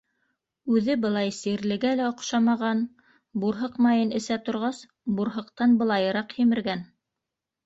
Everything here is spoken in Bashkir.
Үҙе былай сирлегә лә оҡшамаған, бурһыҡ майын эсә торғас, бурһыҡтан былайыраҡ һимергән.